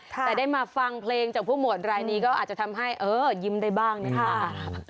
แต่ได้มาฟังเพลงจากผู้หมวดรายนี้ก็อาจจะทำให้เออยิ้มได้บ้างนะคะ